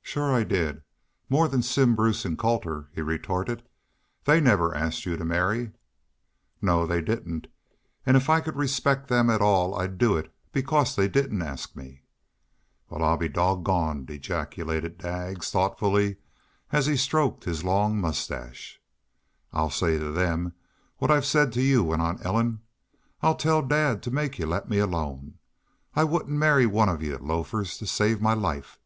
"Shore I did more than Simm Bruce an' Colter," he retorted. "They never asked you to marry." "No, they didn't. And if I could respect them at all I'd do it because they didn't ask me." "Wal, I'll be dog goned!" ejaculated Daggs, thoughtfully, as he stroked his long mustache. "I'll say to them what I've said to y'u," went on Ellen. "I'll tell dad to make y'u let me alone. I wouldn't marry one of y'u y'u loafers to save my life.